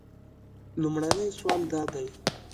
لومړنی سوال دا دی.